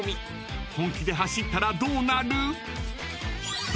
［本気で走ったらどうなる？］